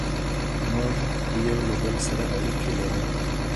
موږ له یو بل سره اړیکي لرو.